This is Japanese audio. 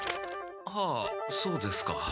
はあそうですか。